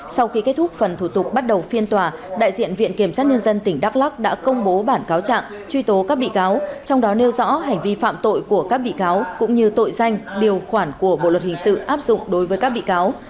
sau khi kết thúc phần thủ tục bắt đầu phiên tòa đại diện viện kiểm sát nhân dân tỉnh đắk lắc đã công bố bản cáo trạng truy tố các bị cáo trong đó nêu rõ hành vi phạm tội của các bị cáo cũng như tội danh điều khoản của bộ luật hình sự áp dụng đối với các bị cáo